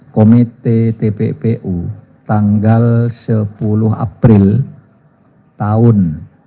komite tppu tanggal sepuluh april tahun dua ribu dua puluh